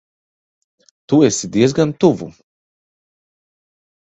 Tu esi diezgan tuvu.